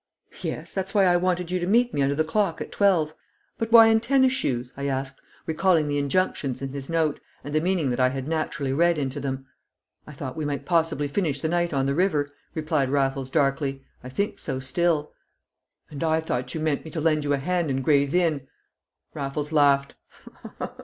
"Yes; that's why I wanted you to meet me under the clock at twelve." "But why in tennis shoes?" I asked, recalling the injunctions in his note, and the meaning that I had naturally read into them. "I thought we might possibly finish the night on the river," replied Raffles, darkly. "I think so still." "And I thought you meant me to lend you a hand in Gray's Inn!" Raffles laughed.